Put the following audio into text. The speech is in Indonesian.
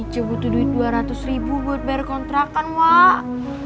cuma butuh duit dua ratus ribu buat bayar kontrakan pak